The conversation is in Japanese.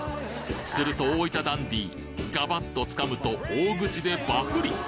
すると大分ダンディーガバッとつかむと大口でバクリ！